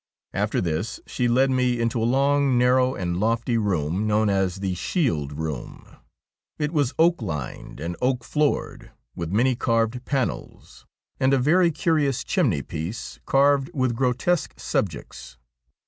After this she led me into a long, narrow, and lofty room, known as the ' Shield Eoom.' It was oak lined and oak floored, with many carved panels, and a very curious chimney piece, carved with grotesque subjects.